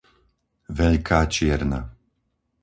Veľká Čierna